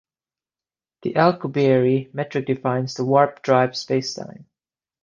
The Alcubierre metric defines the warp-drive spacetime.